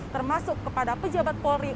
termasuk kepada pejabat polri